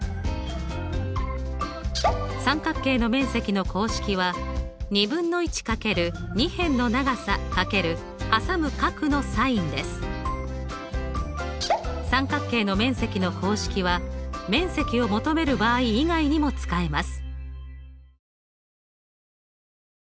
三角形の面積の公式は三角形の面積の公式は面積を求める場合以外にも使えます。